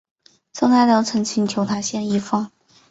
宋太宗曾请求他献医方。